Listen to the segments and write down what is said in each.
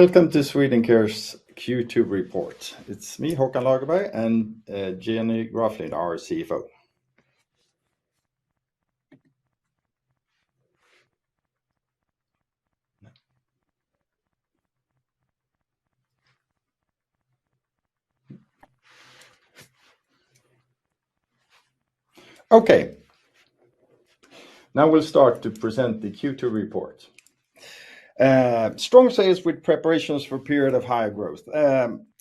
Welcome to Swedencare's Q2 report. It's me, Håkan Lagerberg, and Jenny Graflind, our CFO. Okay. Now we'll start to present the Q2 report. Strong sales with preparations for a period of high growth.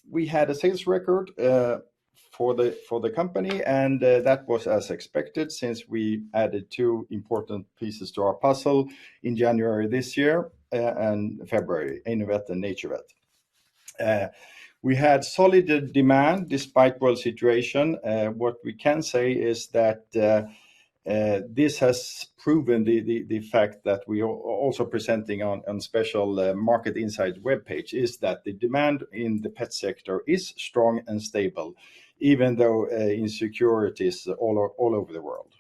We had a sales record for the company, and that was as expected since we added two important pieces to our puzzle in January this year and February, Innovet and NaturVet. We had solid demand despite world situation. What we can say is that this has proven the fact that we are also presenting on special market insight webpage is that the demand in the pet sector is strong and stable, even though insecurities all over the world.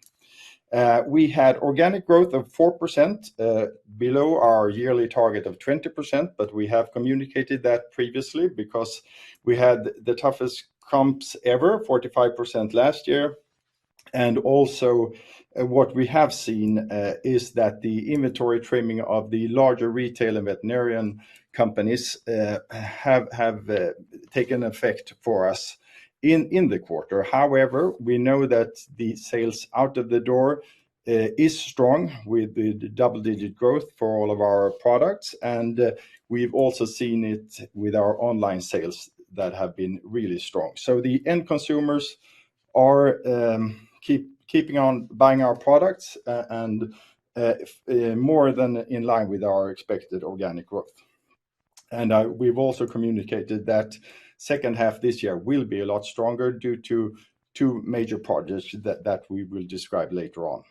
We had organic growth of 4%, below our yearly target of 20%, but we have communicated that previously because we had the toughest comps ever, 45% last year. Also, what we have seen is that the inventory trimming of the larger retail and veterinary companies have taken effect for us in the quarter. However, we know that the sales out of the door is strong with double-digit growth for all of our products, and we've also seen it with our online sales that have been really strong. The end consumers are keeping on buying our products, and more than in line with our expected organic growth. We've also communicated that second half this year will be a lot stronger due to two major projects that we will describe later on.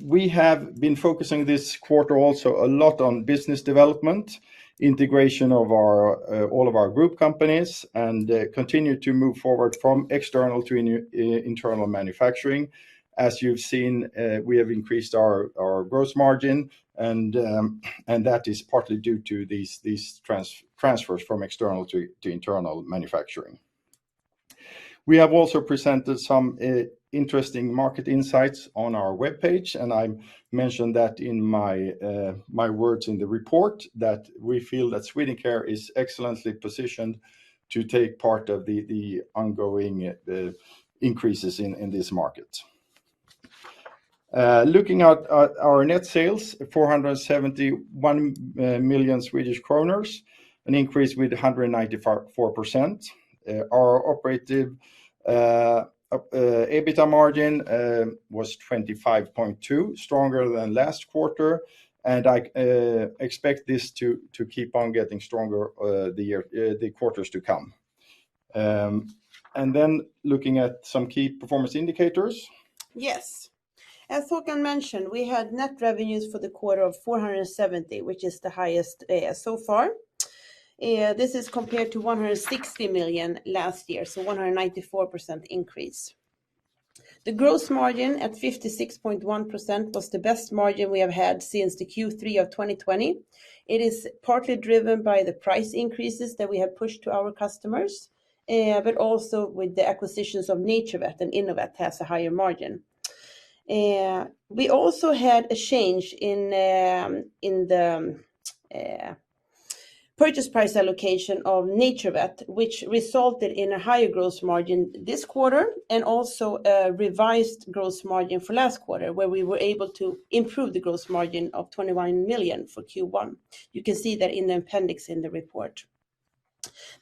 We have been focusing this quarter also a lot on business development, integration of all of our group companies, and continue to move forward from external to internal manufacturing. As you've seen, we have increased our gross margin, and that is partly due to these transfers from external to internal manufacturing. We have also presented some interesting market insights on our webpage, and I mentioned that in my words in the report that we feel that Swedencare is excellently positioned to take part of the ongoing increases in this market. Looking at our net sales, 471 million Swedish kronor, an increase with 194%. Our operating EBITDA margin was 25.2%, stronger than last quarter, and I expect this to keep on getting stronger the year the quarters to come. Looking at some key performance indicators. Yes. As Håkan mentioned, we had net revenues for the quarter of 470 million, which is the highest so far. This is compared to 160 million last year, so 194% increase. The gross margin at 56.1% was the best margin we have had since the Q3 of 2020. It is partly driven by the price increases that we have pushed to our customers, but also with the acquisitions of NaturVet and Innovet has a higher margin. We also had a change in the purchase price allocation of NaturVet, which resulted in a higher gross margin this quarter and also a revised gross margin for last quarter, where we were able to improve the gross margin of 21 million for Q1. You can see that in the appendix in the report.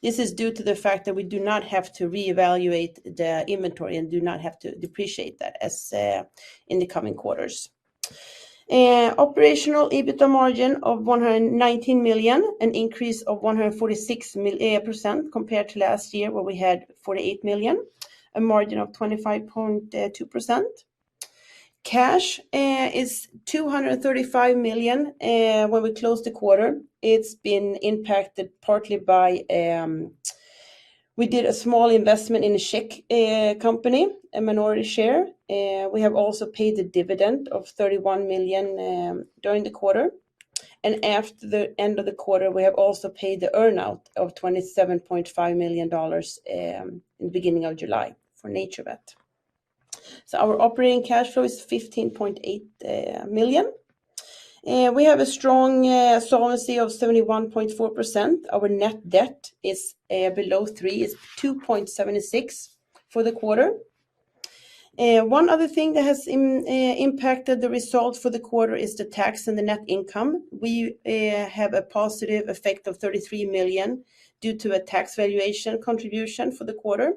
This is due to the fact that we do not have to reevaluate the inventory and do not have to depreciate that as in the coming quarters. Operational EBITDA margin of 119 million, an increase of 146% compared to last year, where we had 48 million, a margin of 25.2%. Cash is 235 million when we close the quarter. It's been impacted partly by we did a small investment in a Czech company, a minority share. We have also paid a dividend of 31 million during the quarter. After the end of the quarter, we have also paid the earn-out of $27.5 million in the beginning of July for NaturVet. Our operating cash flow is 15.8 million. We have a strong solvency of 71.4%. Our net debt is below 3, is 2.76 for the quarter. One other thing that has impacted the result for the quarter is the tax and the net income. We have a positive effect of 33 million due to a tax valuation contribution for the quarter.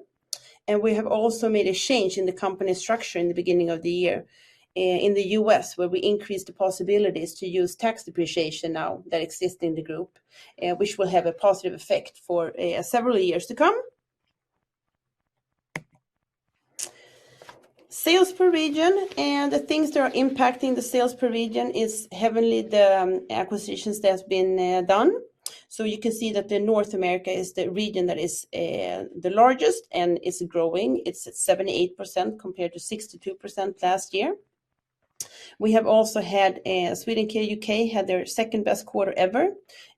We have also made a change in the company structure in the beginning of the year in the U.S., where we increased the possibilities to use tax depreciation now that exist in the group, which will have a positive effect for several years to come. Sales per region. The things that are impacting the sales per region is heavily the acquisitions that's been done. You can see that the North America is the region that is the largest and is growing. It's at 78% compared to 62% last year. We have also had Swedencare U.K. had their second-best quarter ever,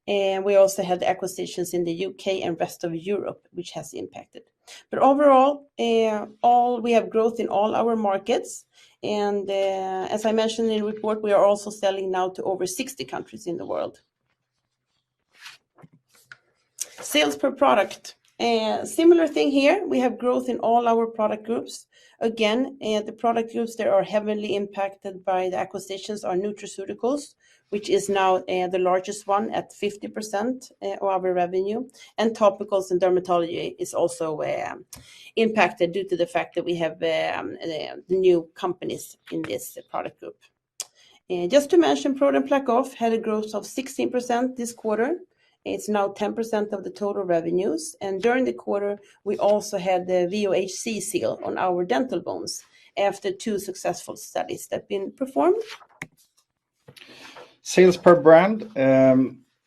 and we also had the acquisitions in the U.K. and rest of Europe, which has impacted. Overall, we have growth in all our markets, and as I mentioned in the report, we are also selling now to over 60 countries in the world. Sales per product. Similar thing here, we have growth in all our product groups. Again, the product groups that are heavily impacted by the acquisitions are nutraceuticals, which is now the largest one at 50% of our revenue. Topicals and dermatology is also impacted due to the fact that we have the new companies in this product group. Just to mention ProDen PlaqueOff had a growth of 16% this quarter. It's now 10% of the total revenues. During the quarter, we also had the VOHC seal on our Dental Bones after two successful studies that have been performed. Sales per brand,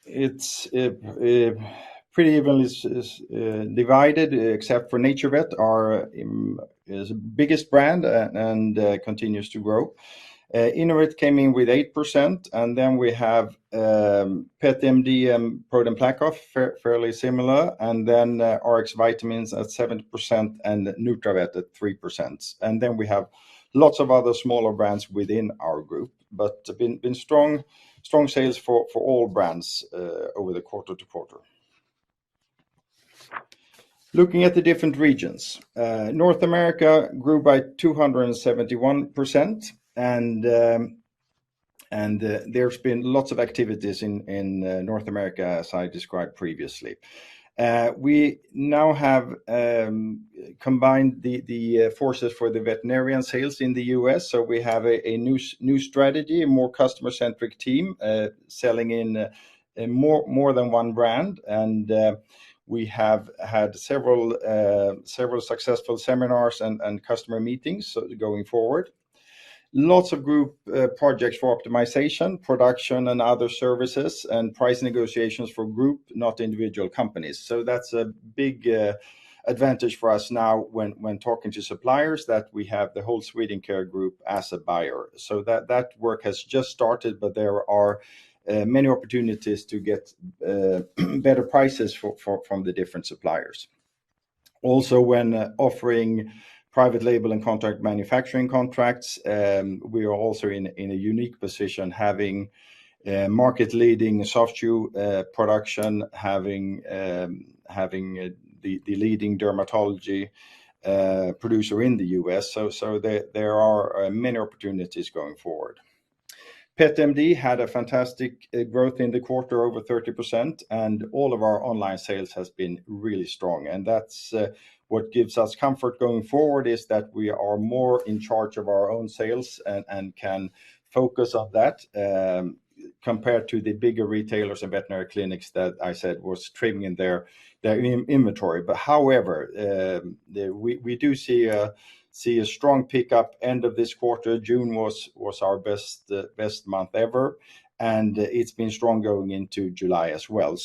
it's pretty evenly divided except for NaturVet, our biggest brand and continues to grow. Innovet came in with 8%, and then we have Pet MD, ProDen PlaqueOff, fairly similar, and then Rx Vitamins at 7% and nutravet at 3%. Then we have lots of other smaller brands within our group, but been strong sales for all brands over the quarter-over-quarter. Looking at the different regions, North America grew by 271%, and there's been lots of activities in North America, as I described previously. We now have combined the forces for the veterinary sales in the U.S., so we have a new strategy, a more customer-centric team, selling in more than one brand. We have had several successful seminars and customer meetings going forward. Lots of group projects for optimization, production and other services, and price negotiations for group, not individual companies. That's a big advantage for us now when talking to suppliers that we have the whole Swedencare group as a buyer. That work has just started, but there are many opportunities to get better prices from the different suppliers. Also, when offering private label and contract manufacturing contracts, we are also in a unique position having market-leading soft chew production, the leading dermatology producer in the US. There are many opportunities going forward. Pet MD had a fantastic growth in the quarter, over 30%, and all of our online sales has been really strong. That's what gives us comfort going forward is that we are more in charge of our own sales and can focus on that, compared to the bigger retailers and veterinary clinics that I said was trimming in their inventory. However, we do see a strong pickup end of this quarter. June was our best month ever, and it's been strong going into July as well.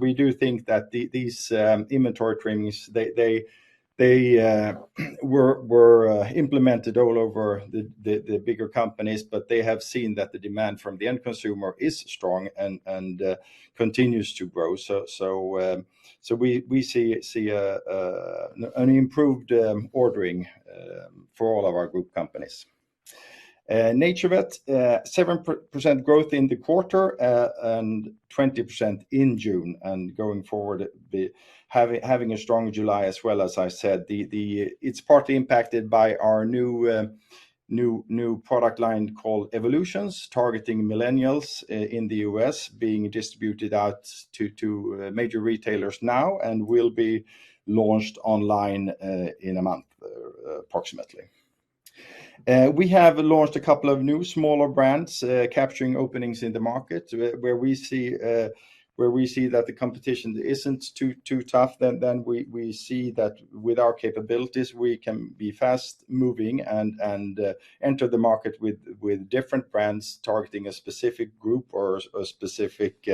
We do think that these inventory trimmings were implemented all over the bigger companies, but they have seen that the demand from the end consumer is strong and continues to grow. We see an improved ordering for all of our group companies. NaturVet 7% growth in the quarter and 20% in June, and going forward, having a strong July as well, as I said. It's partly impacted by our new product line called Evolutions, targeting millennials in the U.S., being distributed out to major retailers now and will be launched online in a month, approximately. We have launched a couple of new smaller brands, capturing openings in the market where we see that the competition isn't too tough, then we see that with our capabilities, we can be fast-moving and enter the market with different brands targeting a specific group or specific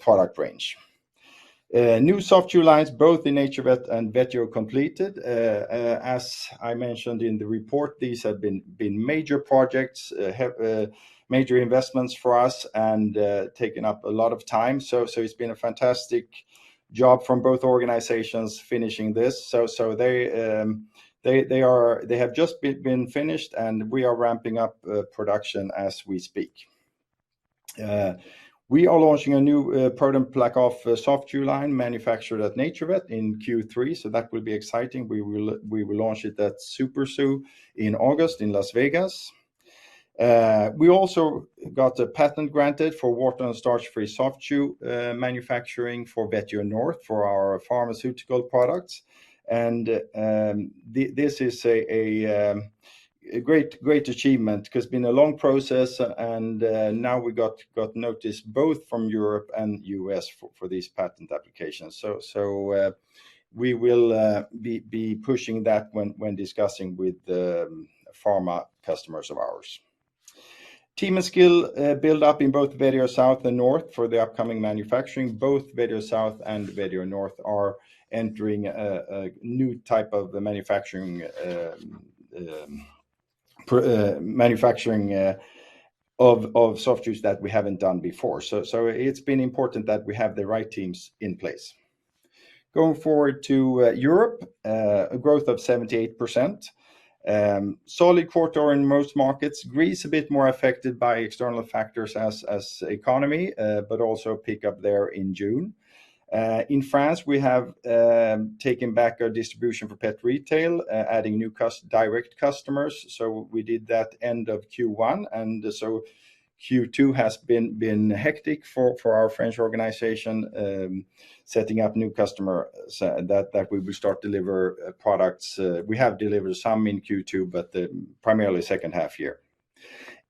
product range. New soft chew lines, both in NaturVet and Vetio completed. As I mentioned in the report, these have been major projects, major investments for us and taken up a lot of time. It's been a fantastic job from both organizations finishing this. They have just been finished, and we are ramping up production as we speak. We are launching a new ProDen PlaqueOff soft chew line manufactured at NaturVet in Q3, so that will be exciting. We will launch it at SuperZoo in August in Las Vegas. We also got a patent granted for water and starch-free soft chew manufacturing for Vetio North for our pharmaceutical products. This is a great achievement because it's been a long process and now we got notice both from Europe and U.S. for these patent applications. We will be pushing that when discussing with the pharma customers of ours. Team and skill build up in both Vetio South and North for the upcoming manufacturing. Both Vetio South and Vetio North are entering a new type of manufacturing of soft chews that we haven't done before. It's been important that we have the right teams in place. Going forward to Europe, a growth of 78%. Solid quarter in most markets. Greece a bit more affected by external factors such as the economy, but also pick up there in June. In France, we have taken back our distribution for pet retail, adding new direct customers. We did that end of Q1. Q2 has been hectic for our French organization, setting up new customers that we start deliver products. We have delivered some in Q2, but primarily second half year.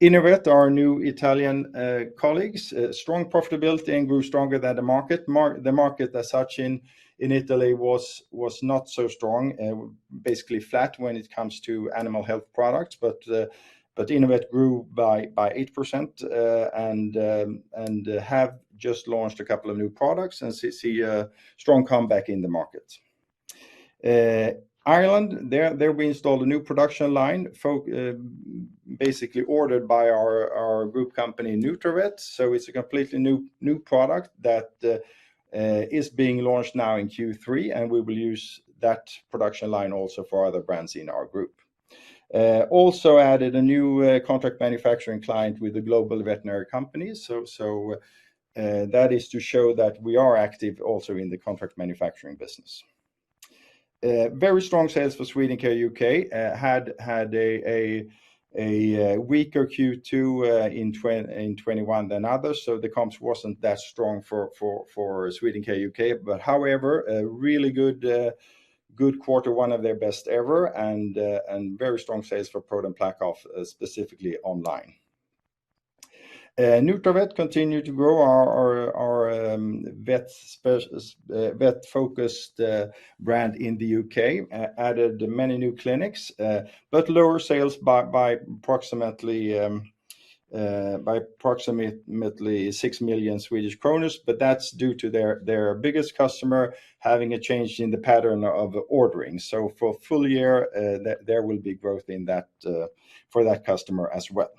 Innovet, our new Italian colleagues strong profitability and grew stronger than the market. The market as such in Italy was not so strong, basically flat when it comes to animal health products, but Innovet grew by 8%, and have just launched a couple of new products and see a strong comeback in the market. In Ireland, there we installed a new production line basically ordered by our group company, NaturVet. It's a completely new product that is being launched now in Q3, and we will use that production line also for other brands in our group. Also added a new contract manufacturing client with the global veterinary company. That is to show that we are active also in the contract manufacturing business. Very strong sales for Swedencare U.K. Had a weaker Q2 in 2021 than others, so the comps wasn't that strong for Swedencare U.K. However, a really good quarter, one of their best ever, and very strong sales for ProDen PlaqueOff, specifically online. Nutravet continued to grow our vet-focused brand in the U.K, added many new clinics, but lower sales by approximately 6 million Swedish kronor, but that's due to their biggest customer having a change in the pattern of ordering. For full year, there will be growth in that for that customer as well.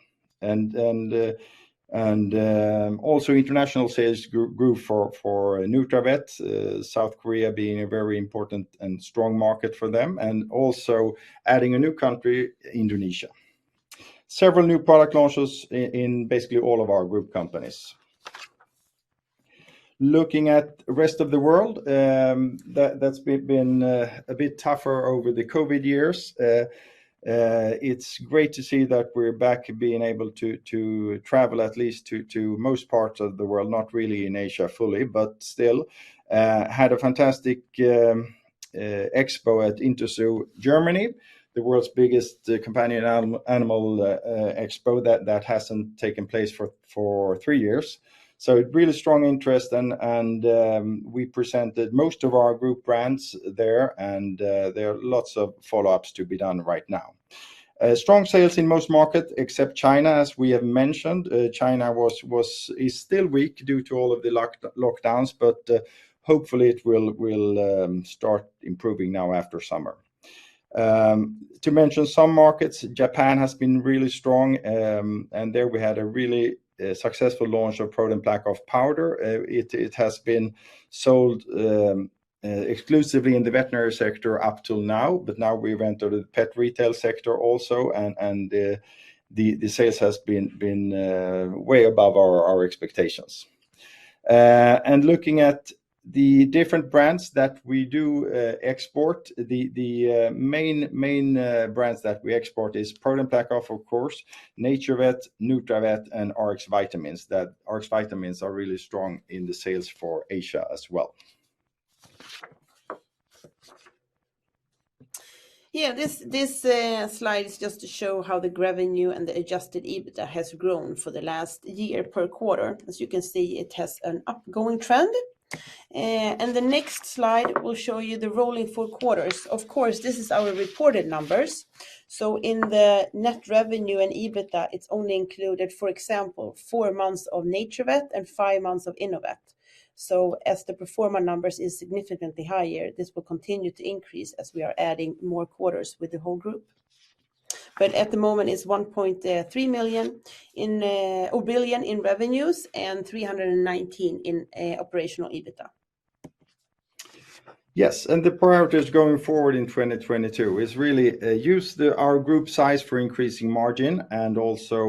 Also international sales grew for NaturVet, South Korea being a very important and strong market for them, and also adding a new country, Indonesia. Several new product launches in basically all of our group companies. Looking at rest of the world, that's been a bit tougher over the COVID years. It's great to see that we're back being able to travel at least to most parts of the world, not really in Asia fully, but still. Had a fantastic expo at Interzoo Germany, the world's biggest companion animal expo that hasn't taken place for three years. Really strong interest and we presented most of our group brands there and there are lots of follow-ups to be done right now. Strong sales in most markets except China, as we have mentioned. China is still weak due to all of the lockdowns, but hopefully it will start improving now after summer. To mention some markets, Japan has been really strong, and there we had a really successful launch of ProDen PlaqueOff powder. It has been sold exclusively in the veterinary sector up till now, but now we've entered the pet retail sector also and the sales has been way above our expectations. Looking at the different brands that we do export, the main brands that we export is ProDen PlaqueOff, of course, NaturVet, nutravet, and Rx Vitamins. The Rx Vitamins are really strong in the sales for Asia as well. This slide is just to show how the revenue and the adjusted EBITDA has grown for the last year per quarter. As you can see, it has an upgoing trend. The next slide will show you the rolling four quarters. Of course, this is our reported numbers. In the net revenue and EBITDA, it's only included, for example, four months of NaturVet and five months of Innovet. As the pro forma numbers is significantly higher, this will continue to increase as we are adding more quarters with the whole group. At the moment, it's 1.3 billion in revenues and 319 million in operational EBITDA. Yes, the priorities going forward in 2022 is really use our group size for increasing margin and also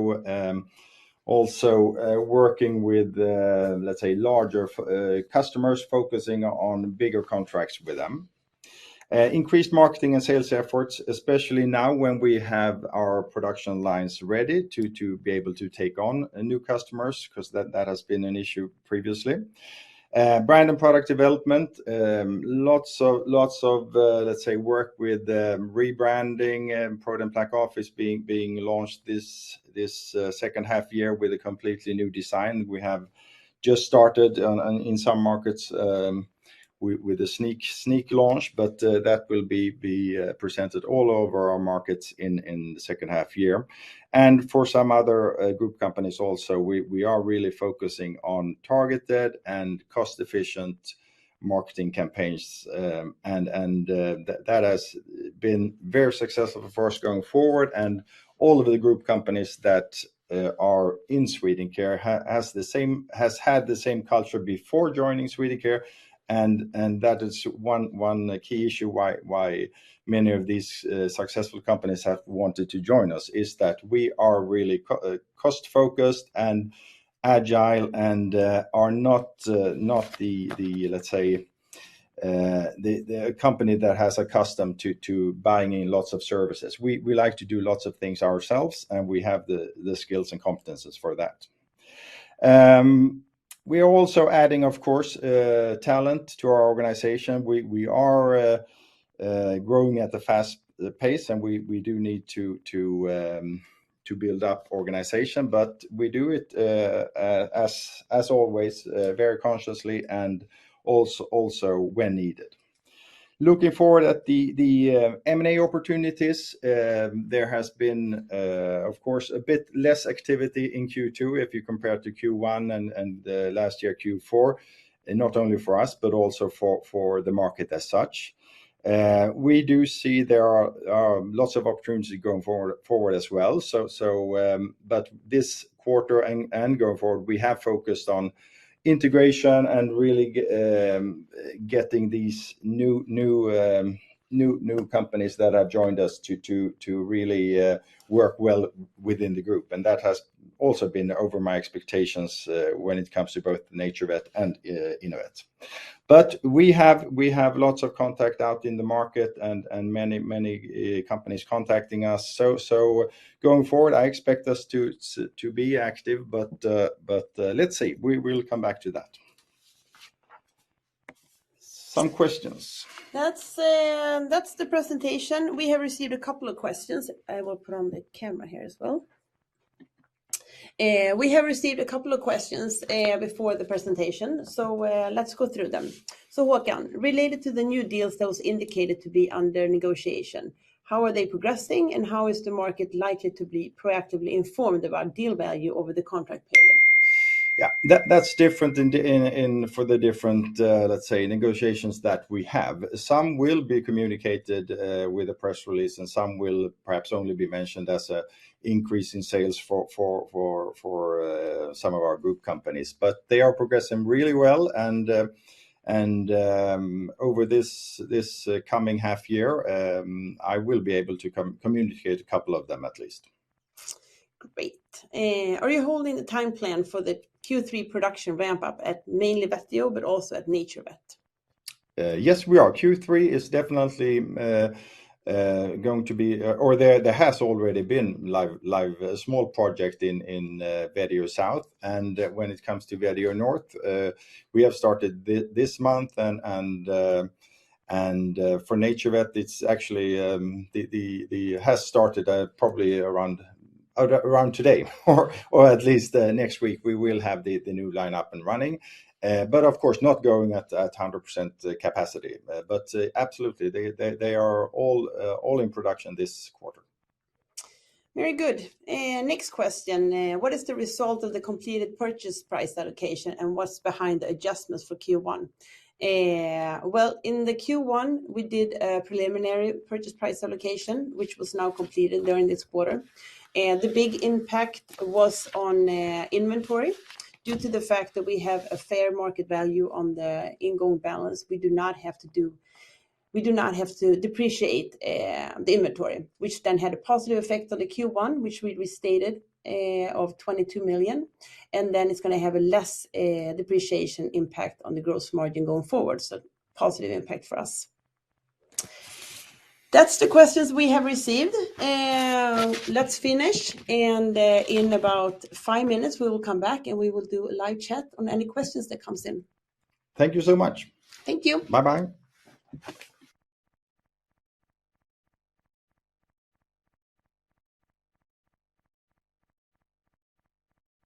working with, let's say, larger customers, focusing on bigger contracts with them. Increased marketing and sales efforts, especially now when we have our production lines ready to be able to take on new customers, 'cause that has been an issue previously. Brand and product development. Lots of work with rebranding. ProDen PlaqueOff is being launched this second half year with a completely new design. We have just started in some markets with a sneak launch, but that will be presented all over our markets in the second half year. For some other group companies also, we are really focusing on targeted and cost-efficient marketing campaigns, and that has been very successful for us going forward. All of the group companies that are in Swedencare has had the same culture before joining Swedencare, and that is one key issue why many of these successful companies have wanted to join us, is that we are really cost-focused and agile and are not the, let's say, the company that has accustomed to buying in lots of services. We like to do lots of things ourselves, and we have the skills and competences for that. We are also adding, of course, talent to our organization. We are growing at a fast pace, and we do need to build up organization. But we do it as always very consciously and also when needed. Looking forward to the M&A opportunities, there has been of course a bit less activity in Q2 if you compare to Q1 and last year Q4, and not only for us, but also for the market as such. We do see there are lots of opportunities going forward as well. But this quarter and going forward, we have focused on integration and really getting these new companies that have joined us to really work well within the group. That has also been over my expectations when it comes to both NaturVet and Innovet. We have lots of contact out in the market and many companies contacting us. Going forward, I expect us to be active, but let's see. We'll come back to that. Some questions. That's the presentation. We have received a couple of questions. I will put on the camera here as well. We have received a couple of questions before the presentation, so let's go through them. Håkan, related to the new deals that was indicated to be under negotiation, how are they progressing, and how is the market likely to be proactively informed about deal value over the contract period? Yeah, that's different for the different, let's say, negotiations that we have. Some will be communicated with a press release, and some will perhaps only be mentioned as an increase in sales for some of our group companies. They are progressing really well, and over this coming half year, I will be able to communicate a couple of them at least. Great. Are you holding the time plan for the Q3 production ramp up at mainly Vetio, but also at NaturVet? Yes, we are. Q3 is definitely going to be, or there has already been live a small project in Vetio South. When it comes to Vetio North, we have started this month. For NaturVet, it's actually has started probably around today or at least next week we will have the new line up and running. Of course, not going at 100% capacity. Absolutely, they are all in production this quarter. Very good. Next question. What is the result of the completed purchase price allocation, and what's behind the adjustments for Q1? Well, in the Q1, we did a preliminary purchase price allocation, which was now completed during this quarter. The big impact was on inventory due to the fact that we have a fair market value on the opening balance. We do not have to depreciate the inventory, which then had a positive effect on the Q1, which we restated of 22 million, and then it's gonna have a less depreciation impact on the gross margin going forward. So positive impact for us. That's the questions we have received. Let's finish, and in about five minutes, we will come back, and we will do a live chat on any questions that comes in. Thank you so much. Thank you. Bye-bye.